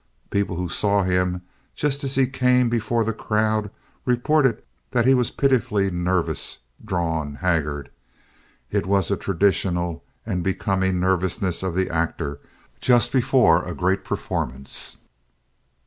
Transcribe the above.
People who saw him just as he came before the crowd reported that he was pitifully nervous, drawn, haggard. It was the traditional and becoming nervousness of the actor just before a great performance.